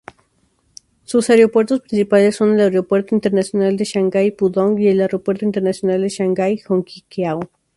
Sus aeropuertos principales son el Aeropuerto Internacional de Shanghái-Pudong y Aeropuerto Internacional de Shanghai-Hongqiao.